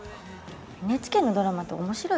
ＮＨＫのドラマって面白いよね。